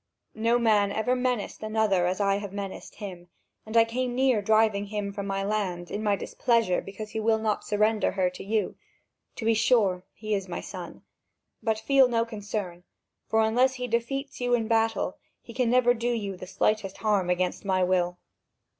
No man ever menaced another as I have menaced him, and I came near driving him from my land, in my displeasure because he will not surrender her to you. To be sure, he is my son; but feel no concern, for unless he defeats you in battle, he can never do you the slightest harm against my will."